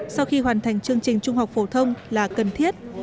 sau khi hoàn thành chương trình trung học phổ thông là cần thiết